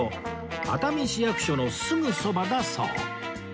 熱海市役所のすぐそばだそう